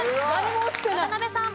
渡辺さん。